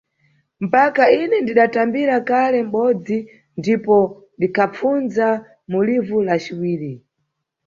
Mpaka ine ndidatambira kale mʼbodzi ndipo ndikhapfunza mu livu la ciwiri.